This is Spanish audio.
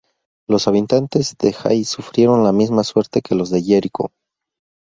Los habitantes de Hai sufrieron la misma suerte que los de Jericó.